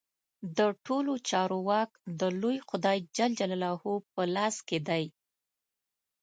د ټولو چارو واک د لوی خدای جل جلاله په لاس کې دی.